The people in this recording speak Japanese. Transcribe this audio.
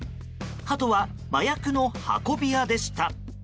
ハトは麻薬の運び屋でした。